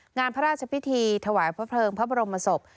งานพระราชพิธีถวายพระเพลิงพระบรมศพ